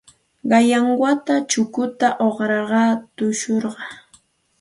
Qanyan wata shukuyta uqrashqayaq tushurqaa.